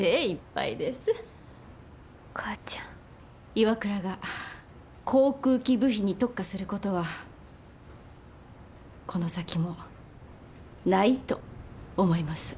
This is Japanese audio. ＩＷＡＫＵＲＡが航空機部品に特化することはこの先もないと思います。